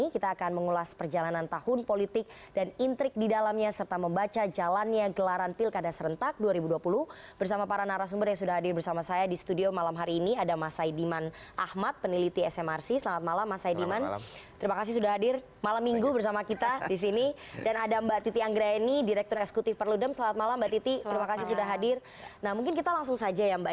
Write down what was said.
kita langsung saja ya mbak ya